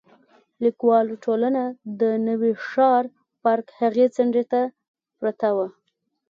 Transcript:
لیکوالو ټولنه د نوي ښار پارک هغې څنډې ته پرته وه.